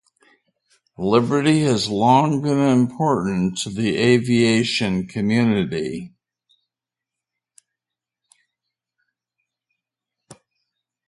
Liberty has long been important to the aviation community.